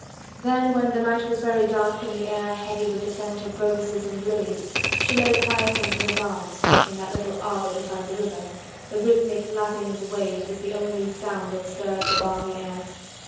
Then, when the night was very dark and the air heavy with the scent of roses and lilies, she lay quiescent in his arms in that little arbour beside the river. The rhythmic lapping of the waves was the only sound that stirred the balmy air.